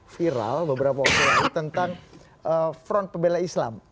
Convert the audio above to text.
viral beberapa waktu lalu tentang front pembela islam